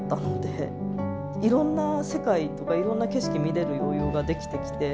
いろんな世界とかいろんな景色見れる余裕ができてきて。